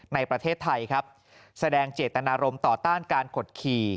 ในประเทศไทยครับแสดงเจตนารมณ์ต่อต้านการกดขี่